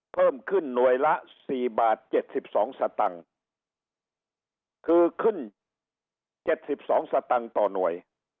เพิ่มขึ้นหน่วยละสี่บาทเจ็ดสิบสองสตังค์คือขึ้นเจ็ดสิบสองสตังค์ต่อหน่วย